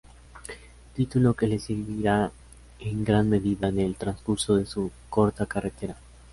Título que le servirá en gran medida en el transcurso de su corta carrera.